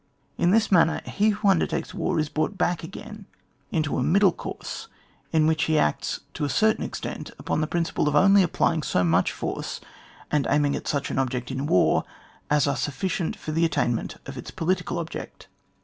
In this manner, he who undertakes war is brought back again into a middle course, in which he acts to a certain extent upon the principle of only applying so much force and aiming at such an object in war as are just siifficient for the at* tainment of its political object.